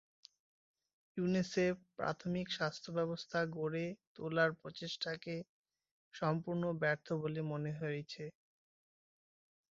UNICEF প্রাথমিক স্বাস্থ্যসেবা ব্যবস্থা গড়ে তোলার প্রচেষ্টাকে সম্পূর্ণ ব্যর্থ বলে মনে করেছে।